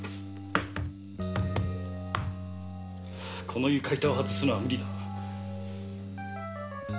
この床板を外すのは無理だな。